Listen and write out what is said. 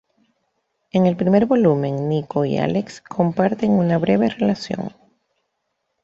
En el primer volumen, Nico y Alex comparten una breve relación.